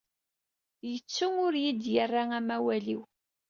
Yettu ur yi-d-yerra amawal-iw.